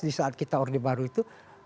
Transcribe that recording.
di saat kita orde baru itu